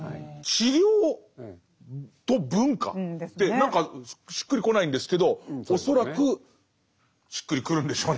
何かしっくりこないんですけど恐らくしっくりくるんでしょうね